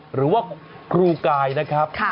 หรือว่าครูกายนะครับ